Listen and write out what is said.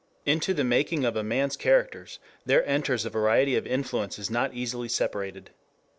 3 Into the making of a man's characters there enters a variety of influences not easily separated.